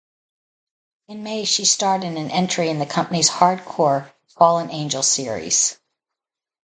In May she starred in an entry in the company's "hardcore" "Fallen Angel" series.